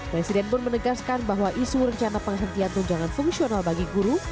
presiden pun menegaskan bahwa isu rencana penghentian tunjangan fungsional bagi guru